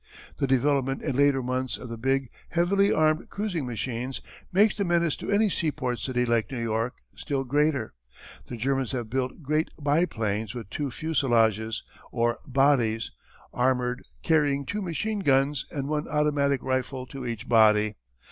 The development in later months of the big heavily armed cruising machines makes the menace to any seaport city like New York still greater. The Germans have built great biplanes with two fuselages, or bodies, armoured, carrying two machine guns and one automatic rifle to each body.